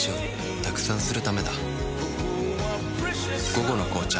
「午後の紅茶」